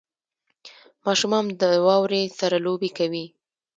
• ماشومان د واورې سره لوبې کوي.